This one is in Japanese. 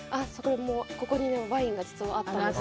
ここにワインが実はあったんですよ。